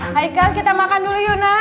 kang kita makan dulu yuna